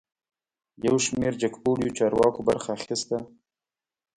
یوشمیر جګپوړیو چارواکو برخه اخیستې ده